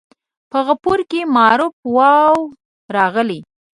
په غفور کې معروف واو راغلی.